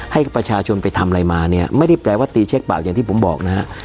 ให้ประชาชนไปทำอะไรมาเนี่ยไม่ได้แปลว่าตีเช็คเปล่าอย่างที่ผมบอกนะฮะ